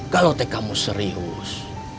kalo teh kamu serius